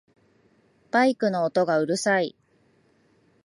バイクの音がうるさい